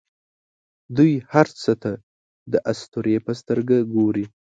دوی هر څه ته د اسطورې په سترګه ګوري.